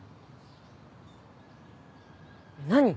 何？